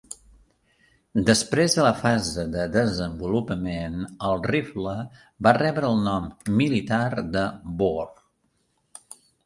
Després de la fase de desenvolupament, el rifle va rebre el nom militar de "Bor".